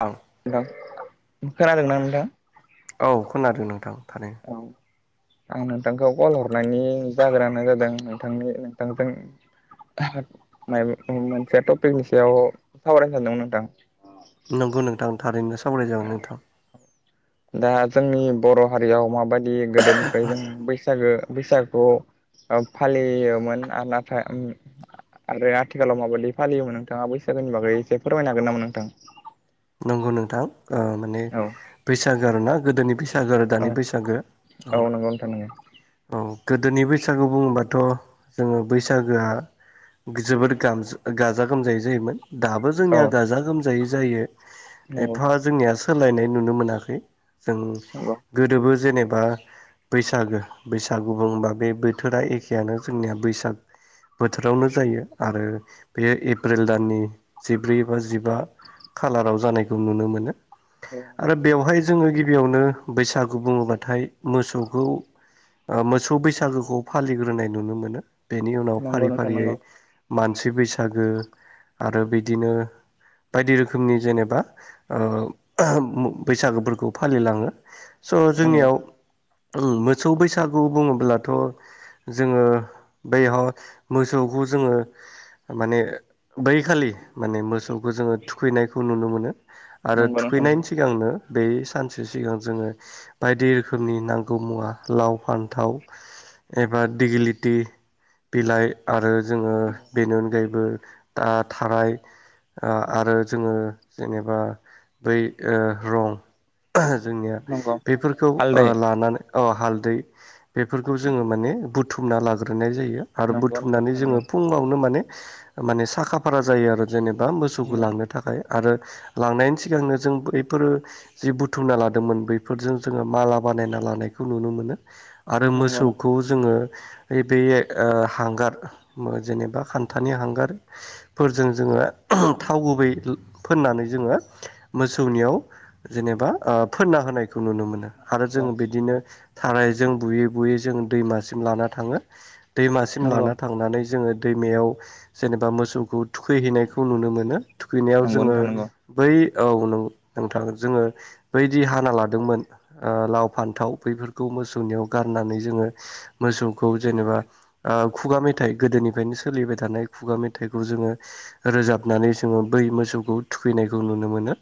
औ खोनादों ना नोंथां औ खोनादों नोंथां औ थारैनो आं नोंथांखौ कल हरनायनि जाग्रा जादों नोंथांनि नोंथांजों मोनसे टपिकनि सायाव सावरायनो सानदोंमोन नोंथां नंगौ नोंथां थारैनो सावरायनाय जागोन नोंथां दा जोंनि बर' हारियाव माबायदि गोदोनिफ्राय जों बैसागो बैसागु फालियोमोन आरो नाथाय आरो आथिखालाव माबायदि फालियोमोन नोंथांङा बैसागोनि बागै एसे फोरमायनो हागोन नामा नोंथां नंगौ नोंथां माने औ बैसागो आर ना गोदोनि बैसागु बैसागो आरो औ दानि बैसागो औ नंगौ नोंथां नंगौ औ गोदोनि बैसागो बुंङोबाथ जोङो बैसागोआ जोबोद ग गाजा गोमजायै जायोमोन दाबो औ जोंनिया गाजा गोमजायै जायो नंगौ एफा जोंनिया सोलायनाय नुनो मोनाखै जों गोदोबो जेनेबा बा बैसागो बैसागु बुङोबा बे बोथोरा एखेयानो जोंनिया बैसाग बोथोरावनो जायो आरो बेयो एप्रिल दाननि जिब्रै बा जिबा खालाराव जानायखौ नुनो मोनो आरो बेवहाय जोंङो गिबियावनो बैसागु बुंङोब्लाथाय मोसौखौ मोसौ बैसागुखौ फालिग्रोनाय नुनो मोनो बेनि उनाव फारि नोंथां फारियै नंगौ मानसि बैसागो आरो बिदिनो बायदि रोखोम रोखोमनि जेनेबा बैसागोफोरखौ फालिलाङो स' नंगौ जोंनियाव मोसौ बैसागु बुङोब्लाथ' जोङो बैहाय मोसौखौ जोंङो माने बै खालि माने मोसौखौ जोंङो नुनो मोनो आरो नंगौ नोंथां नंगौ नोंथां थुखैनायनि नंगौ सिगांनो बे सानसे सिगां जोंङो बायदि रोखोमनि नांगौ मुवा लाव फान्थाव एबा दिगिलिटि बिलाइ आरो जोंङो नंगौ बेनि अनगायैबो दा थानाय आरो जोंङो जेनेबा बै रं जोंनिया नंगौ बेफोरखौ हालदै लानानै हालदै बेफोरखौ जोंङो माने बुथुमना लाग्रोनाय जायो आरो नंगौ नंगौ बुथुमनानै नोंथां नंगौ जोंङो फुंङावनो माने माने साखा फारा जायो आरो जेनेबा मोसौखौ लांनो थाखाय आरो लांनायनि सिगांनो जों बफोरो जि बुथुमना लादोंमोन बैफोरजों जोंङो मालाबा बानायना लानायखौ नुनो मोनो आरो नंगौ नंगौ मोसौखौ जोंङो बे हांगार जेनेबा खान्थानि हांगारफोरजों जोंङो ओ [unintelligible] थाव गुबै फोननानै जोंङो मोसौनियाव जेनेबा फोनना होनाय बे खौ नुनो मोनो आरो जोंङो बिदिनो थारायजों बुयै बुयै जोंङो दैमासिम लाना थाङो। दैमासिम नंगौ लाना थांनानै जोंङो दैमायाव जेनेबा मोसौखौ थुखैहैनायखौ नुनो मोनो थुखैनायाव नंगौ जोंङो नोंथां नंगौ बै औ नं नोंथां जोङो बैदि हाना लादोंमोन लाव फान्थाव बैफोरखौ मोसौनि गारनानै जोङो मोसौखौ जेनेबा खुगा मेथाइ गोदोनिफ्रायनो सोलिबाय थानाय खुगा मेथाइखौ जोङो रोजाब नानै जोङो बै मोसौखौ थुखैनायखौ नुनो मोनो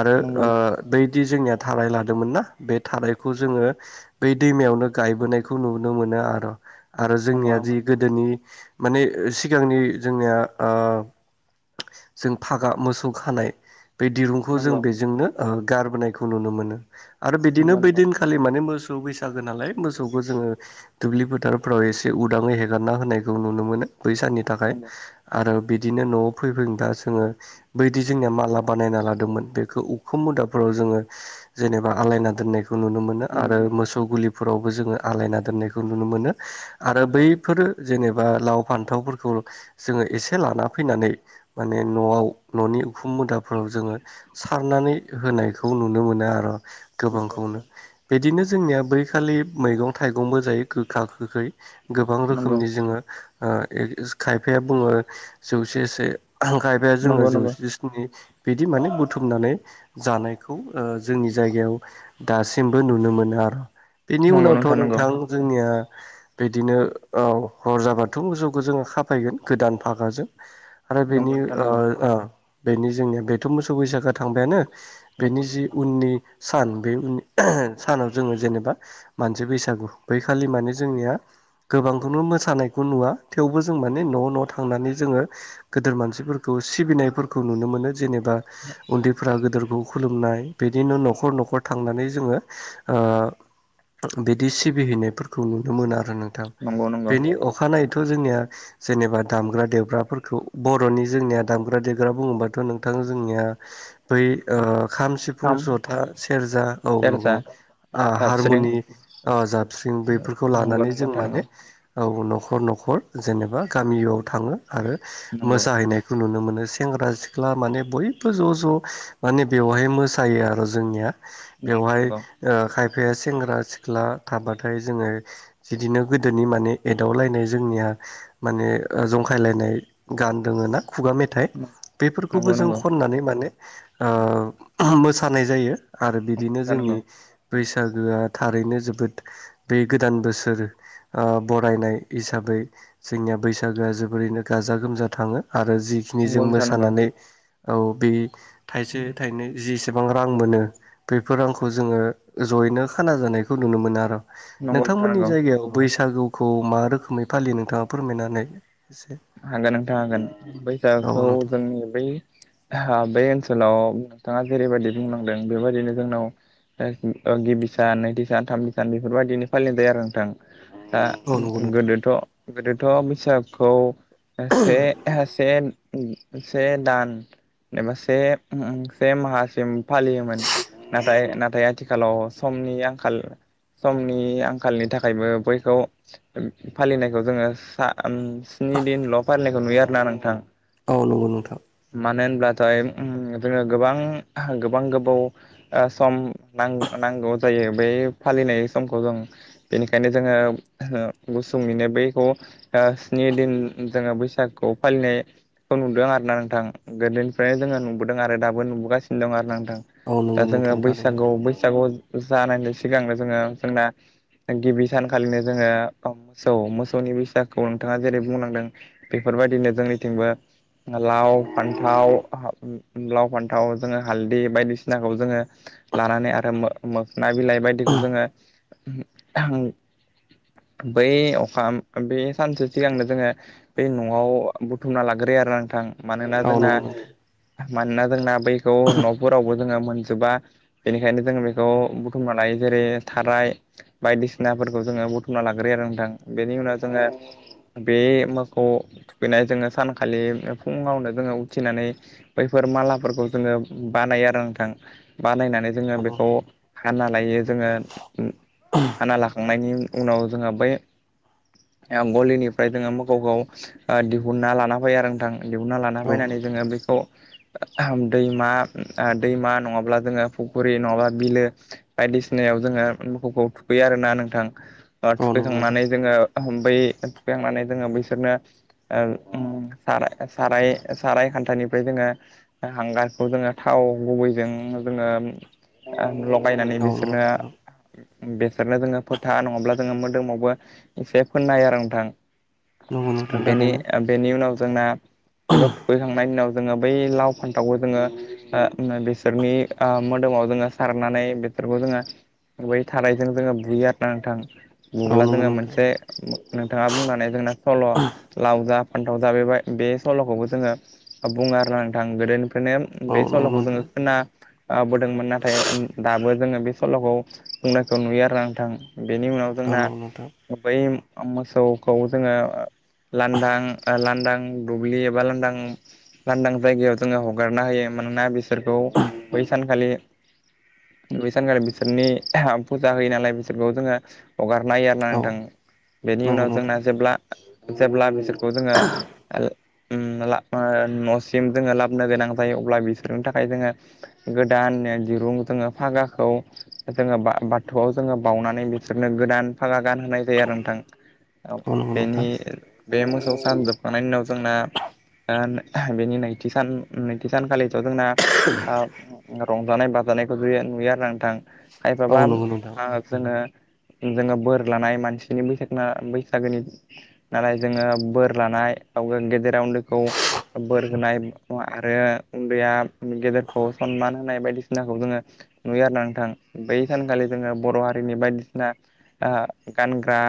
आरो नंगौ बै बिदि जोंनिया थाराय लादोंमोनना बे थारायखौ जोङो बै दैमायावनो गायबोनायखौ नुनो मोनो आर आरो नंगौ जोंनिया जि गोदोनि माने सिगांनि जोंनिया अ जों फागा मोसौ खानाय बे नंगौ दिरुंखौ जों बेजोंनो गारबोनायखौ नुनो मोनो आरो बिदिनो बै नंगौ दिनखालि माने मोसौ बैसागो नालाय मोसौखौ जोङो दुब्लि फोथारफ्राव एसे उदाङै हेगारना होनायखौ नुनो मोनो। बैसाननि थाखाय नंगौ आरो बिदिनो न'आव [unintelligible] दा जोङो बैदि जोंनिया माला बानायना लादोंमोन बेखौ उखुम मुदाफोराव जोङो। जेनेबा आलायना दोननायखौ खौ नुनो मोनो आरो नंगौ मोसौ गुलिफोरावबो जोङो आलायना दोननायखौ नुनो मोनो। आरो नंगौ बैफोरो जेनेबा लाव फान्थावफोरखौ जोङो एसे लाना फैनानै माने न'आव न'नि उखुम मुदाफोराव जोङो सारनानै होनायखौ नुनो मोनो आरो नंगौ नंगौ गोबांखौनो बिदिनो जोंनिया बैखालि मैगं थाइगंबो जायो गोखा गोखै गोबां नंगौ रोखोमनि जोङो खायफाया बुङो जौसेसो गायबाय नंगौ जोङो नंगौ जौजिस्नि बिदि माने बुथुमनानै जानायखौ जोंनि जायगायाव दासिमबो नुनो मोना। बेनि नंगौ उनावथ' नंगौ नोंथां जोंनिया बिदिनो औ रजा बाथौ मोसौखौ जोङो खााफायगोन गोदान फागाजों आरो नंगौ बेनि नोंथां नंगौ बेनि जोंनिया बेथ' मोसौ बैसागो थांबायानो। नंगौ बेनि जि नंगौ उननि सान बे उन सानाव जोङो जेनेबा मानसि बैसागु। बैखालि औ माने जोंनिया। गोबांखौनो मोसानायखौ नुवा थेवबो जों माने न' न' थांनानै जोङो गोदोर मानसिफोरखौ सिबिनायफोरखौ नुनो मोनो जेनेबा उन्दैफ्रा गोदोरखौ खुलुमनाय बिदिनो न'खर न'खर थांनानै जोङो ओ बिदि सिबिहैनायफोरखौ नुनो मोनो आरो नोंथां नंगौ नंगौ बेनि अखानायै। थ' जोंनिया जेनेबा दामग्रा देग्राफोरखौ बर'नि जोंनिया दामग्रा देग्रा बुङोबाथ' नोंथां जोंनिया। बै खाम सिफुं जथा सेरजा औ सेरजा नंगौ हार जाबस्रिं नि आ जाबस्रिं बेफोरखौ नंगौ नंगौ लानानै जों नोंथां नंगौ माने औ न'खर न'खर जेनेबा गामियाव थाङो आरो नंगौ मोसाहैनायखौ नुनो मोनो। सेंग्रा सिख्ला माने बयबो ज' ज' माने बेवहाय मोसायो आरो जोंनिया नंगौ बेवहाय नंगौ खायफाया सेंग्रा सिख्ला थाबाथाय जोङो बिदिनो गोदोनि माने एदावलायनाय जोंनिया माने। जंखायलायनाय गानदोङोना खुगा मेथाइ नंगौ बेफोरखौबो नंगौ जों नंगौ खननानै माने। मोसानाय जायो आरो बिदिनो नोंथां जोंनि। नंगौ बैसागोआ थारैनो जोबोद बे गोदान बोसोर बरायनाय हिसाबै। जोंनिया बैसागोआ जोबोरैनो गाजा गोमजा थाङो आरो जिखिनि नंगौ जों नोंथां नंगौ मोसानानै औ बै थाइसे थाइनै जि एसेबां रां मोनो बेफोर रांखौ जोङो जयैनो खाना जानायखौ नुनो मोनो आरो। नंगौ नोंथां नोंथांमोननि नंगौ जायगायाव बैसागुखौ मा रोखोमै फालियो नोंथाङा फोरमायनानै। एसे हागोन नोंथा हागोन औ बैसागुखौ नोंथां जोंनि बै बै ओनसो ओनसोलाव नोंथाङा जेरैबायदि बुंलांदों बेबायदिनो जोंनाव गिबि सान नैथि सान थामथि सान बेफोरबायदिनो फालिबाय आरो नोंथां। दा औ नंगौ नोंथां गोदोथ' गोदोथ' बैसागुखौ। एसे एसे। से दान एबा से से माहासिम फालियोमोन नाथाय नाथाय आथिखालाव समनि आंखाल समनि आंखालनि थाखायबो बैखौ फालिनायखौ जोङो सा स्नि दिनल' फालिनायखौ नुयो आरोना नोंथां। औ नंगौ नोंथां। मानो होनब्लाथाय जोङो गोबां गोबां गोबाव सम नां नां। नांगौ जायो बै फालिनाय समखौ जों बेनिखायनो जोङो गुसुंनिनो बे खौ ओ स्नि दिन जोङो बैसागु फालिनायखौ नुदों आरो ना नोंथां गोदोनिफ्रायनो जोङो नुबोदों आरो दाबो। नुगासिनो दं आरो नोंथां औ दा नंगौ जोङो नोंथां थारैनो बैसागु बैसागु। जानायनि सिगांनो जोङो जोंना गिबि सानखालिनो जोङो मोसौ मोसौनि बैसागुखौ नोंथाङा जेरै बुंलांदों। बेफोरबायदिनो जोंनिथिंबो। लाव फान्थाव लाव फान्थाव जोङो हालदै बायदिसिनाखौ जोङो। लानानै आरो मो मोखना बिलाइ बायदिखौ जोङो। बै अखा बे सानसे सिगांनो जोङो। बे न'वाव बुथुमना लाग्रोयो आरो नोंथां मानोना औ जोंना नंगौ नोंथां मानोना जोंना। बैखौ न'फोरावबो। जोङो मोनजोबा बेनिखायनो जों बेखौ बुथुमना लायो जेरै थाराय बायदिसिना। फोरखौ जोङो बुथुमना लाग्रोयो आरो नोंथां बेनि उनाव जोङो बे मोखौ। थुखैनाय जोङो सानखालि फुङावनो जोङो उथिनानै बैफोर मालाफोरखौ जोङो बा बानायो आरो नोंथां बानायनानै जोङो औ नंगौ बेखौ हाना लायो जोङो हाना लाखांनायनि उनाव जोंहा बै गलिनिफ्राय जोङो मोखौखौ ओ दिहुनना लाना फैयो आरो नोंथां दिहुनना लाना औ नोंथां औ नंगौ फैनानै नोंथां जोङो बेखौ ओ दैमा दैमा नङाब्ला जोङो फुख्रि नङाब्ला बिलो बायदिसिना याव जोङो मोखौखौ थुखैयो आरो ना नोंथां ओ औ नंगौ नोंथां थुखैखांनानै जोङो बै थुखैखांनानै जोङो बिसोरनो ओ साराय साराय खान्थानिफ्राय जोङो हांगारखौ जोङो थाव गुबैजों जोङो लगायनानै बिसोरनो बेसोरनो जोङो फोथा नङाब्ला जोङो मोदोमावबो एसे फोननायायो आरो नोंथां नंगौ नोंथां बेनि थारैनो बेनि उनाव जोंना बेगाव थुखैखांनायनि उनाव जोङो बै लाव फान्थावखौ जोङो बिसोरनि ओ मोदोमाव जोङो सारनानै फोरबो जोङो बै थाराइजों जोङो बुयो आरो ना नोंथां औ बुब्ला नंगौ जोङो नोंथां मोनसे नोंथाङा बुंनानै जोंना सल' लाव जा फानथाव जा बे सल'खौबो जोङो बुङो आरो‌ना नोंथां माने औ बे नंगौ सल'खौ जोङो नोंथां खोना बोदोंमोन नाथाय दाबो जोङो बे सल'खौ बुंनायखौ नुयो आरो ना नोंथां बेनि उनाव औ जोंना नंगौ नोंथां बै मोसौखौ जोङो लान्दां लान्दां दुब्लि एबा लांदां लांदां जायगायाव जोङो हगारना होयो मानोना बिसोरखौ बै सानखालि बै सानखालि बिसोरनि फुजा होयो नालाय बिसोरखौ जोङो हगारनाय आर ना औ नंगौ औ नंगौ औ नंगौ औ नोंथां बेनि नंगौ उनाव जोंना जेब्ला जेब्ला बिसोर खौ जोङो ओ न'सिम जोङो लाबोनो गोनां जायो अब्ला बिसोरनि थाखाय जोङो गोदान दिरुं जोङो फागाखौ जोङो बाथौवाव जोङो बाउनानै बिसोरनो गोदान फागा गानहोनाय जायो आरो नोंथां बेनि बे मोसौ सान जोबखांनायनि उनाव जोंना बेनि नैथि सान नैथि सानखालिथ' जोंना रंजानाय बाजानाय जानायखौ नुयो आरो नोंथां खायफाबा जोङो जोङो बोर लानाय मानसिनि बैसाग बैसागोनि नालाय जोङो बोर लानाय गेदेरा उन्दैखौ बोर होनाय आरो उन्दैया गेदेरखौ सनमान होनाय बायदिसिनाखौ जोङो नुयो आरो ना नोंथां बै सानखालि जोङो बर' हारिनि बायदिसिना गानग्रा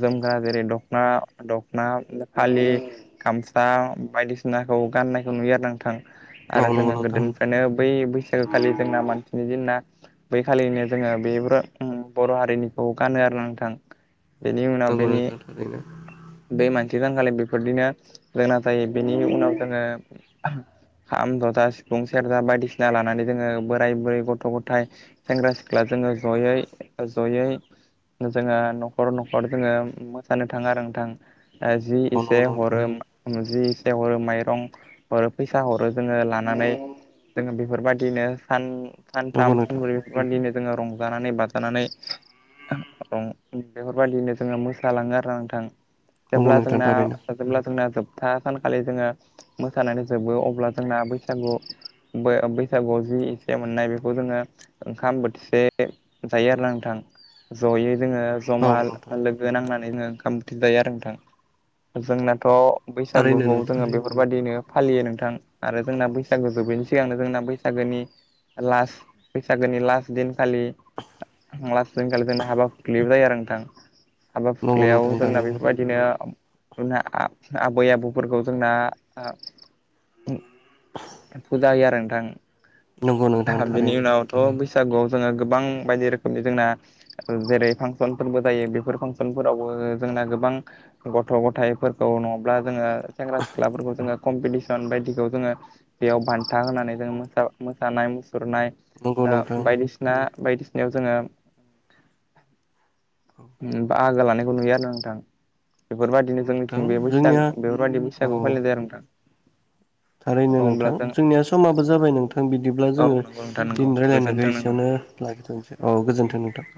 जोम जेरै दख'ना दख'ना फालि गामसा बायदिसिनाखौ गाननाय नुयो आरो नोंथां आरो जोङो गोदोनिफ्रायनो बै बैसागोखालि जोंना मानसिनि दिना बैखालिनो जोङो बेफोर बर' हारिनिखौ गानो आरो नोंथां बेनि उनाव औ बेनि नोंथां थारैनो बे मानसि गानखालि बेफोरदिनो गोंऐ जायो बेनिनि उनाव जोङो खाम जथा सिफुं सेरजा बायदिसिना लानानै जोङो बोराय बुरै गथ' गथाय सेंग्रा सिख्ला जोङो जयै जयै जोङो न'खर न'खर जोङो मोसानो थाङा आरो नोंथां जि एसे हरो नोंथां जि एसे हरो माइरं हरो फैसा हरो जोङो लानानै जोङो बेफोरबादिनो सान सानथाम सानब्रै नंगौ बेफोरबादिनो जोङो रंजानानै बाजानानै बेफोरबादिनो जोङो मो मोसालाङो आरो ना नोंथां जेब्ला नोंथां जोंना थारैनो जेब्ला जोंना जोब था सानखालि जोङो मोसानानै जोबो अब्ला जोंना बैसागु बैसागुवाव जि एसे मोननाय बेखौ जोङो ओंखाम बोथिसे जायो आरो ना नोंथां ज'यै जोङो जमा औ नंगौ नोंथां नंगौ नोंथां नंगौ नोंथां थारैनो औ नोंथां लोगो नांनानै जोङो ओंखाम ओंख्रि जायो आरो नोंथां जोंनाथ' थारैनो बैसागुखौ नोंथां जोङो बेफोरबादिनो फालियो नोंथां आरो जोंना बैसागो जोबैनि सिगांनो जोंना बैसागोनि लास्ट बैसागोनि लास्ट दिन खालि लास्त दिन खालि जोंनो हाबा खुख्लिबो जायो आरो नोंथां। हाबा नंगौ फुख्लियाव नोंथां जोंना थारैनो बेफोरबायदिनो जोंना आबै आबौफोरखौ जोंना फुजा होयो आरो नोंथां। नंगौ नोंथां बिनि थारैनो उनावथ' बै बैसागुआव जोङो गोबां बायदि रोखोमनि जोंना जेरै फांसनफोरबो जायो बेफोर फांसनफोरावबो जोंना गोबां गथ' गथाइफोरखौ नङाब्ला जोङो सेंग्रा सिख्लाफोरखौ जोङो कमपितिसन बायदिखौ जोङो बेयाव बान्था होनानै जों मोसा नाय मुसुरनाय नंगौ नोंथां बायदिसिना बायदिसिनायाव जोङो बाहागो लानायखौ नुयो आरो ना नोंथां बेफोरबायदिनो नंगौ नोंथां जोंनिथिं बे जोंनिया बैसाग बेफोरबायदि औ बैसा गोखौ फालियो आरो नोंथां। औ थारैनो होमब्ला नोंथां जों जोंनिया समाबो जाबाय नोंथां बिदिब्ला औ जोङो नंगौ नोंथां नंगौ दिनैनि रायलायनायखौ गोजोन्थों नोंथां। एसेयावनो लाखिथ'सै औ गोजोनथों नोंथां।